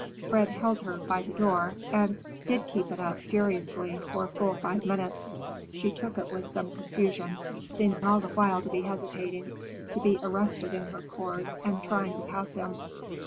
Fred held her by the door and did keep it up, furiously, for full five minutes. She took it with some confusion, seeming all the while to be hesitating, to be arrested in her course and trying to pass him.